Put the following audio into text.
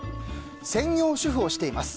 専業主婦をしています。